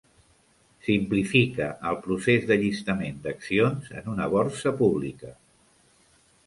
Simplifica el procés d'allistament d'accions en una borsa pública.